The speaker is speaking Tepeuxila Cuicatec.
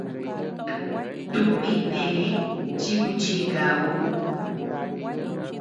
Tumi neʼe chi kuchikauu.